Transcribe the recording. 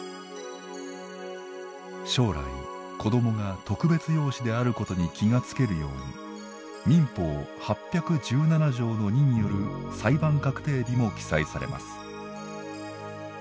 将来子どもが特別養子であることに気が付けるように民法８１７条の２による裁判確定日も記載されます。